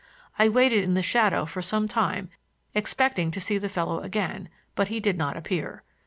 I waited in the shadow for some time, expecting to see the fellow again, but he did not appear.